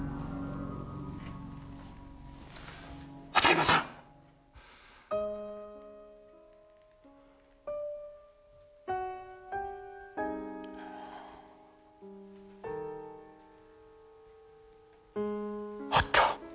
畑山さん！あった。